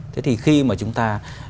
thế thì khi mà chúng ta